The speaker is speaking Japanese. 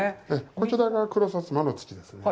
こちらが黒薩摩の土です。